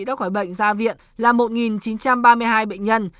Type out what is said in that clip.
đã khỏi bệnh ra viện là một chín trăm ba mươi hai bệnh nhân